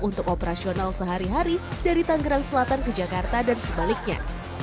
untuk operasional sehari hari dari tanggerang selatan ke jakarta dan sebaliknya